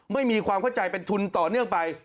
ไม่มีความเข้าใจเป็นทุนต่อเนื่องไป